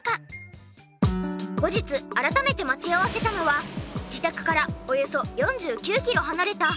後日改めて待ち合わせたのは自宅からおよそ４９キロ離れた。